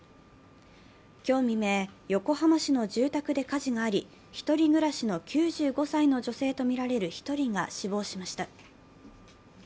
今日未明、横浜市の住宅で火事があり１人暮らしの９５歳の女性とみられる１人が死亡しました。